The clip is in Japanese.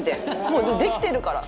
もうできてるから！